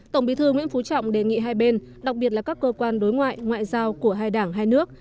tổng bí thư nguyễn phú trọng đề nghị hai bên đặc biệt là các cơ quan đối ngoại ngoại giao của hai đảng hai nước